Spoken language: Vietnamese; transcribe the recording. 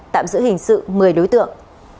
tạm giữ hình sự một mươi đối tượng